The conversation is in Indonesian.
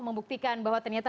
membuktikan bahwa ternyata